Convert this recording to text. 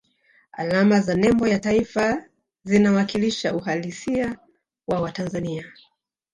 alama za nembo ya taifa zinawakilisha uhalisia wa watanzania